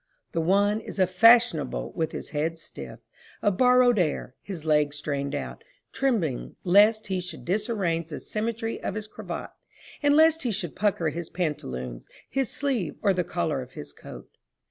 The one is a fashionable with his head stiff, a borrowed air, his leg strained out, trembling lest he should disarrange the symmetry of his cravat, and lest he should pucker his pantaloons, his sleeve or the collar of his coat.